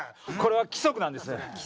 これは規則なんです！